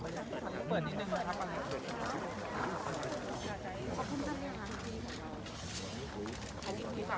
เดี๋ยวพ่อบอกน้ำเต็มกำลังได้นอนเลยค่ะแข็งแรงแล้วลูกต่อไป